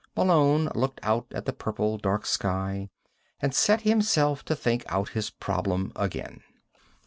Malone looked out at the purple dark sky and set himself to think out his problem again.